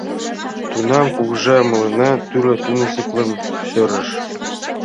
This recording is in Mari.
Тунам кугыжа мыланна тӱрлӧ тыныслыкым сӧрыш.